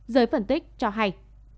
giới phân tích cho hay